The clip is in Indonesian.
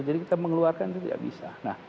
jadi kita mengeluarkan itu tidak bisa